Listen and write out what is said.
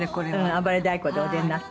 『あばれ太鼓』でお出になって。